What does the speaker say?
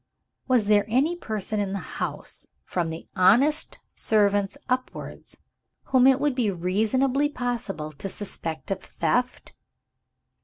Was there any person in the house, from the honest servants upwards, whom it would be reasonably possible to suspect of theft?